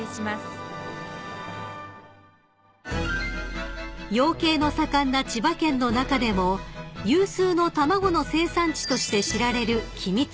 ペイトク［養鶏の盛んな千葉県の中でも有数の卵の生産地として知られる君津市］